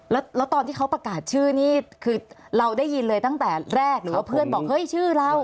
แล้วตอนที่เขาประกาศชื่อนี่คือเราได้ยินเลยตั้งแต่แรกหรือว่าเพื่อนบอกเฮ้ยชื่อเรา